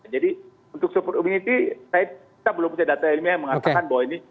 jadi untuk super immunity kita belum punya data ilmiah yang mengatakan bahwa ini